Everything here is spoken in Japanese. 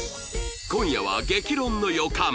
今夜は激論の予感